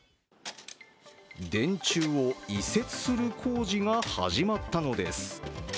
電柱を移設する工事が始まったのです。